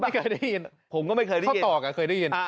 ไม่เคยได้ยินข้าวตอกอะเคยได้ยินผมก็ไม่เคยได้ยิน